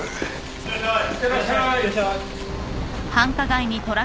いってらっしゃい。